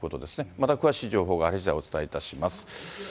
また詳しい情報が入りしだい、お伝えいたします。